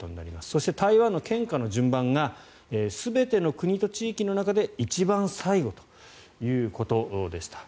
そして、台湾の献花の順番が全ての国の中で一番最後ということでした。